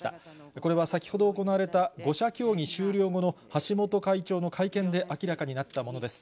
これは先ほど行われた５者協議終了後の橋本会長の会見で明らかになったものです。